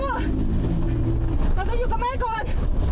สาธุอยู่กับแม่ก่อน